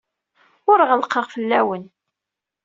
Ur ɣellqeɣ fell-awen.